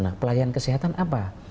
nah pelayanan kesehatan apa